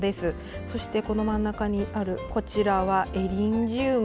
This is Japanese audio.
そして真ん中にあるのはエリンジウム。